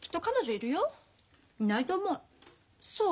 いないと思う。